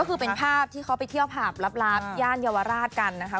ก็คือเป็นภาพที่เขาไปเที่ยวผับลับย่านเยาวราชกันนะคะ